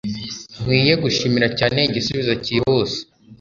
Nkwiye gushimira cyane igisubizo cyihuse.